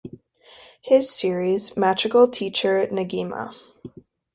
His series, Magical Teacher Negima!